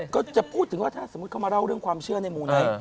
ก็จะพูดถึงว่าถ้าสมมุติเข้ามาเล่าเรื่องความเชื่อในหมู่ไหน